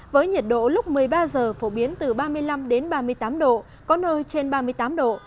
với nhiệt độ lúc một mươi ba giờ phổ biến từ ba mươi năm ba mươi tám độ có nơi trên ba mươi tám độ